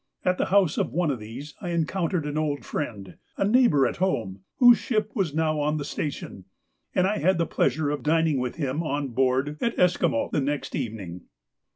At the house of one of these I encountered an old friend, a neighbour at home, whose ship was now on the station, and I had the pleasure of dining with him on board at Esquimault the next evening.